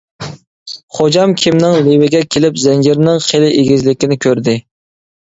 خوجام كېمىنىڭ لېۋىگە كېلىپ زەنجىرنىڭ خېلى ئېگىزلىكىنى كۆردى.